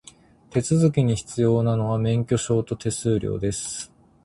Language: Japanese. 手続きに必要なのは、免許証と手数料です。